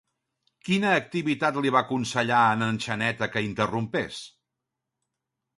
Quina activitat li va aconsellar a en Xaneta que interrompés?